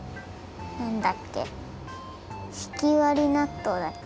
なんだっけ？ひきわりなっとうだっけ？